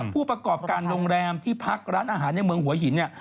ผู้ประกอบการโรงแรมที่พักร้านอาหารในเมืองหัวหินเนี่ย